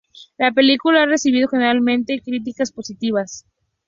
La película ha recibido generalmente críticas positivas.